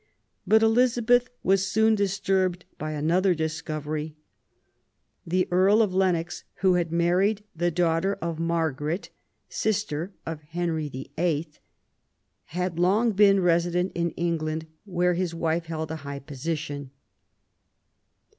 But Elizabeth was soon disturbed by another discovery. The Earl of Lennox, who had married the daughter of Margaret, sister of Henry VIII., had long been resident in England, where his wife held a high position.